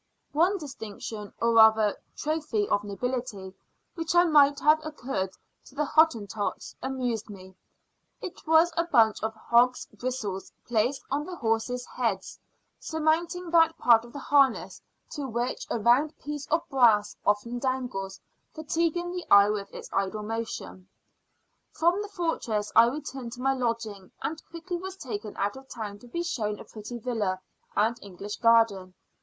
One distinction, or rather trophy of nobility, which might have occurred to the Hottentots, amused me; it was a bunch of hog's bristles placed on the horses' heads, surmounting that part of the harness to which a round piece of brass often dangles, fatiguing the eye with its idle motion. From the fortress I returned to my lodging, and quickly was taken out of town to be shown a pretty villa, and English garden.